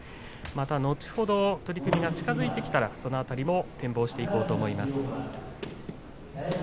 また後ほど取組が近づいてきたらその辺りも展望していこうと思います。